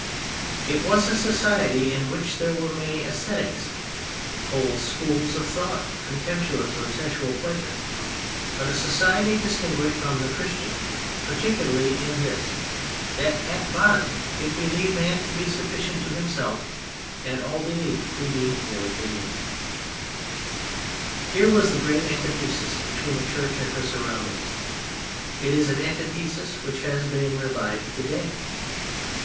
It was a society in which there were many ascetics—whole schools of thought contemptuous of sensual pleasure—but a society distinguished from the Christian particularly in this, that at bottom it believed man to be sufficient to himself and all belief to be mere opinions. Here was the great antithesis between the Church and her surroundings. It is an antithesis which has been revived today.